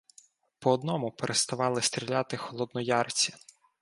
По одному переставали стріляти холодноярці.